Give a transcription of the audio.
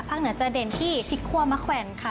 เหนือจะเด่นที่พริกคั่วมะแขวนค่ะ